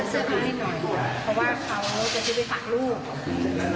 ก็จะมีผู้ชายเดินร่วมกากเข้ามา